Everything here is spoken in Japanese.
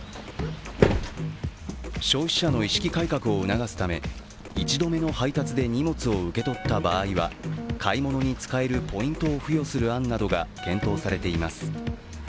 消費者の意識改革を促すため１度目の配達で荷物を受け取った場合は買い物に使えるポイントを付与する案などが検討されています。